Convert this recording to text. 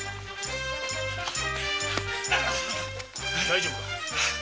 大丈夫か？